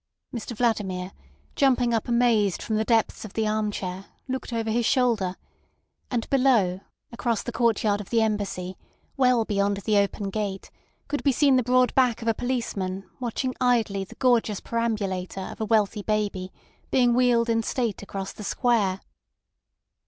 Mr Vladimir, jumping up amazed from the depths of the arm chair, looked over his shoulder; and below, across the courtyard of the Embassy, well beyond the open gate, could be seen the broad back of a policeman watching idly the gorgeous perambulator of a wealthy baby being wheeled in state across the Square.